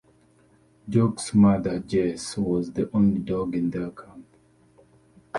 Jock's mother Jess was the only dog in their camp.